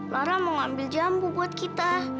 lara mau ngambil jambu buat kita